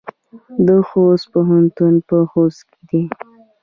د خوست پوهنتون په خوست کې دی